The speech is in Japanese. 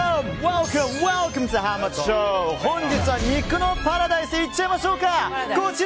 本日は肉のパラダイスいっちゃいましょうか。